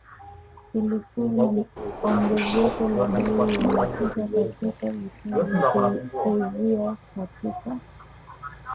Kulikuwa na ongezeko la bei ya mafuta katika vituo vya kuuzia katika